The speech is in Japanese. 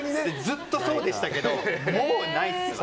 ずっとそうでしたけどもうないです。